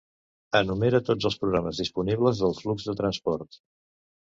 Enumera tots els programes disponibles del flux de transport.